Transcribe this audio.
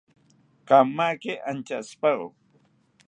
Kamaki anchashipawo